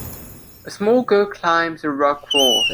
A small girl climbs a rock wall.